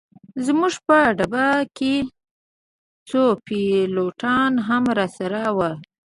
زموږ په ډبه کي څو پیلوټان هم راسره ول.